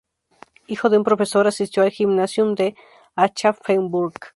Hijo de un profesor, asistió al Gymnasium de Aschaffenburg.